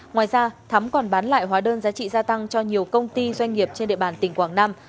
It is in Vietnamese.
ngoài ra thắm còn bán lại hóa đơn giá trị gia tăng cho nhiều công ty doanh nghiệp trên địa bàn tỉnh quảng nam